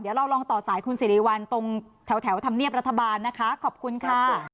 เดี๋ยวเราลองต่อสายคุณสิริวัลตรงแถวธรรมเนียบรัฐบาลนะคะขอบคุณค่ะ